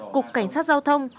cục cảnh sát giao thông